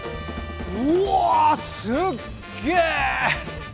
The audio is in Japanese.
うわすっげえ！